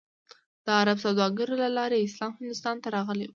د عرب سوداګرو له لارې اسلام هندوستان ته راغلی و.